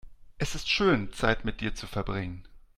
Es ist schön, Zeit mit dir zu verbringen.